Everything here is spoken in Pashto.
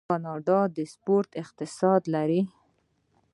کاناډا د سپورت اقتصاد لري.